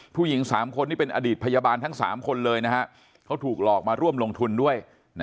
ผู้หญิง๓คนนี่เป็นอดีตพยาบาลทั้ง๓คนเลยนะฮะเขาถูกหลอกมาร่วมลงทุนด้วย